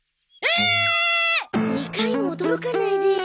２回も驚かないでよ。